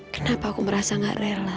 kenapa aku merasa gak rela